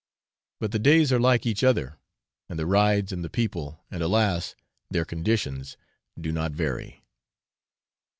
But the days are like each other; and the rides and the people, and, alas! their conditions, do not vary.